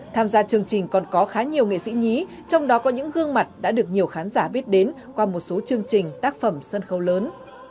tham gia chương trình còn có khá nhiều nghệ sĩ nhí trong đó có những gương mặt đã được nhiều khán giả biết đến qua một số chương trình tác phẩm sân khấu lớn